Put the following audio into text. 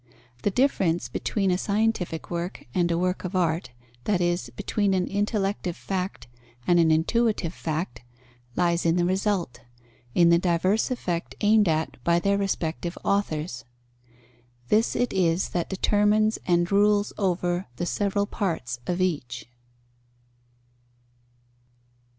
The difference between a scientific work and a work of art, that is, between an intellective fact and an intuitive fact lies in the result, in the diverse effect aimed at by their respective authors. This it is that determines and rules over the several parts of each.